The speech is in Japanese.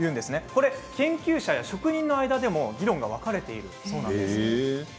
これ、研究者や職人の間でも議論が分かれているそうなんです。